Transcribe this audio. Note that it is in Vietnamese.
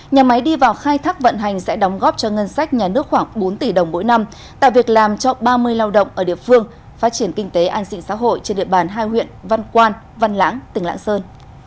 nhà máy đi vào khai thác vận hành sẽ đóng góp cho ngân sách nhà nước khoảng bốn tỷ đồng mỗi năm tạo việc làm cho ba mươi lao động ở địa phương phát triển kinh tế an sinh xã hội trên địa bàn hai huyện văn quan văn lãng tỉnh lãng sơn